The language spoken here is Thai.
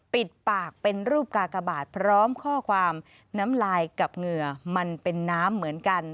ปิดปากเป็นรูปกากบาทพร้อมข้อความน้ำลายกับเหงื่อมันเป็นน้ำเหมือนกัน